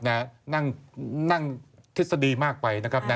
นั่งทฤษฎีมากไปนะครับนะ